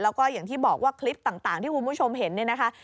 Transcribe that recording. แล้วก็อย่างที่บอกว่าคลิปต่างที่คุณผู้ชมเห็นเนี่ยนะคะ